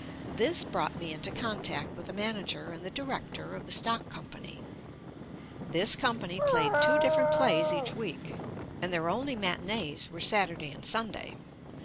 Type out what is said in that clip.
This brought me into contact with the manager and the director of the stock company. This company played two different plays each week, and their only matinees were Saturday and Sunday.